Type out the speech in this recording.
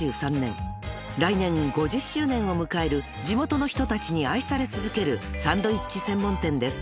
［来年５０周年を迎える地元の人たちに愛され続けるサンドイッチ専門店です］